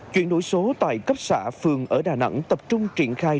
chuyển đổi số tại cấp xã phường ở đà nẵng tập trung triển khai